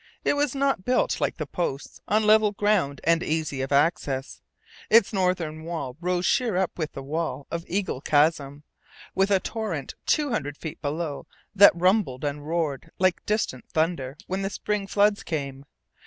It was not built like the posts, on level ground and easy of access. Its northern wall rose sheer up with the wall of Eagle Chasm, with a torrent two hundred feet below that rumbled and roared like distant thunder when the spring floods came.